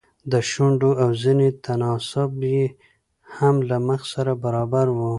د شونډو او زنې تناسب يې هم له مخ سره برابر و.